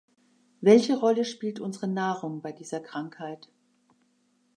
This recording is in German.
Welche Rolle spielt unsere Nahrung bei dieser Krankheit?